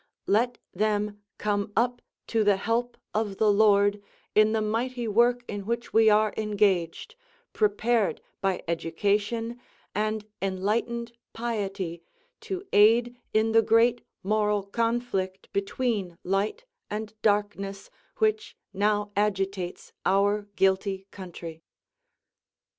Let them come up to the help of the Lord in the mighty work in which we are engaged, prepared by education and enlightened piety to aid in the great moral conflict between light and darkness, which now agitates our guilty country.